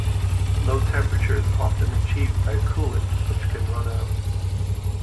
Low temperature is often achieved by a coolant, which can run out.